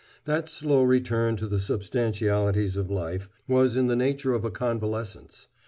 That slow return to the substantialities of life was in the nature of a convalescence.